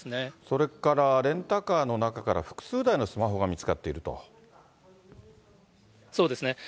それからレンタカーの中から複数台のスマホが見つかっているそうですね。